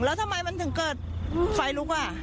แล้วทำไมมันถึงเกิดไฟลุกอ่ะ